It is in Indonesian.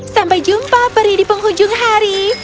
sampai jumpa peri di penghujung hari